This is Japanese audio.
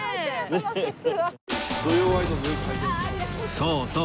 そうそう！